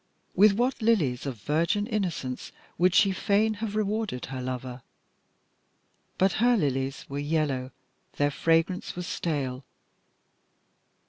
With what lilies of virgin innocence would she fain have rewarded her lover! but her lilies were yellow, their fragrance was stale.